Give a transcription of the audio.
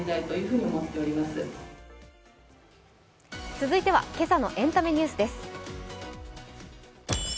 続いては、今朝の「エンタメニュース」です。